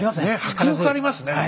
迫力ありますね。